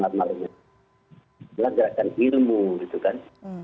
bukan hanya gerakan ilmu gitu kan